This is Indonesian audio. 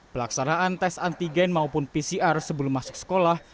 pelaksanaan tes antigen maupun pcr sebelum masuk sekolah